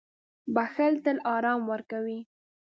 • بښل تل آرام ورکوي.